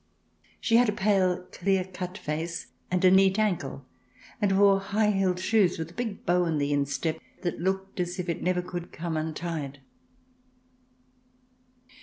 She had a pale clear cut face and a neat ankle, and wore high heeled shoes with a big bow on the instep that looked as if it never could come untied.